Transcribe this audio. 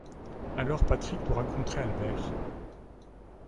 Alors Patrick doit rencontrer Albert.